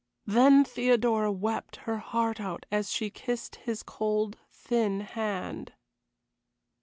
Then Theodora wept her heart out as she kissed his cold, thin hand.